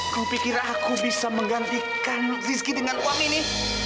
kau pikir aku bisa menggantikan rizky dengan uang ini